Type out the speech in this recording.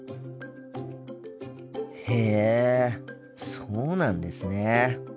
へえそうなんですね。